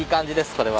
これは。